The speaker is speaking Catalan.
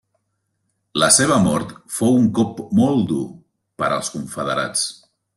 La seva mort fou un cop molt dur per als Confederats.